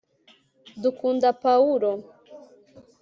dukunda pawulo